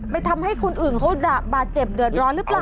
ทำให้คนอื่นเขาบาดเจ็บเดือดร้อนหรือเปล่า